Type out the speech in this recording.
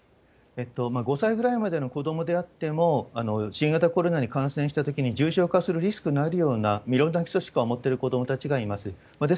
５歳ぐらいまでの子どもであっても、新型コロナに感染したときに重症化するリスクのあるような、いろんな基礎疾患を持っている子どもたちがいます。